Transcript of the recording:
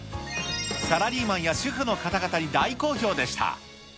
サラリーマンや主婦の方々に大好評でした。